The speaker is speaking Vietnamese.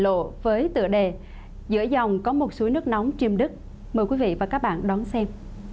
xuôi dòng sông kỳ lộ với tựa đề giữa dòng có một suối nước nóng triêm đức mời quý vị và các bạn đón xem